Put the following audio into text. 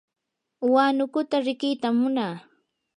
huanukuta riqitam munaa.